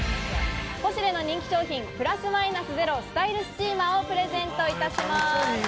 ポシュレの人気商品「プラスマイナスゼロスタイルスチーマー」をプレゼントいたします。